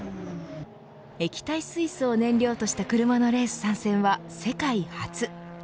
液体水素を燃料とした車のレース参戦は世界初。